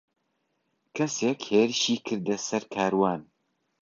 کەسێک هێرشی کردە سەر کاروان.